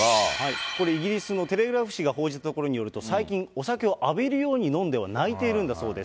これ、イギリスのテレグラフ紙が報じたところによりますと、最近、お酒を浴びるように飲んでは、泣いているんだそうです。